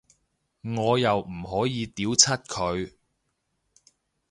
我又唔可以屌柒佢